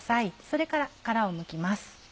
それから殻をむきます。